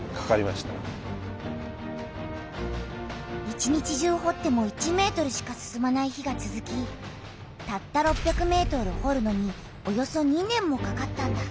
一日中ほっても１ｍしか進まない日がつづきたった６００ｍほるのにおよそ２年もかかったんだ。